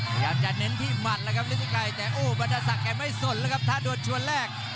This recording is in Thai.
พยายามจะเน้นที่หมัดแล้วครับฤทธิไกรแต่โอ้บรรดาศักดิ์ไม่สนแล้วครับถ้าโดนชวนแรก